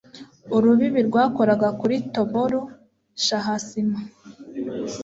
urubibi rwakoraga kuri taboru, shahasima